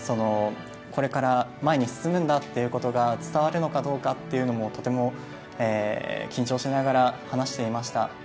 これから前に進むんだということが伝わるのかどうかというのもとても緊張しながら話していました。